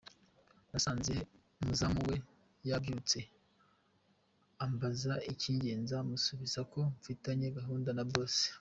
Nasanze umuzamu we yabyutse, ambaza ikingenza, musubiza ko mfitanye gahunda na boss.